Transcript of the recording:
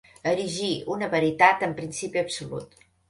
Erigir una veritat en principi absolut.